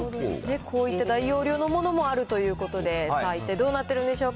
こういった大容量のものもあるということで、一体どうなってるんでしょうか。